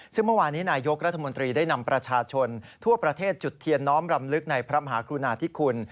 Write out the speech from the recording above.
ซึ่งเมื่อวานี้นายกรัฐมนตรีได้นำประชาชนทั่วประเทศจุดเทียนน้อมรำลึกในพระมหากรุณาธิคุณ